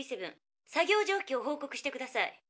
作業状況を報告してください」。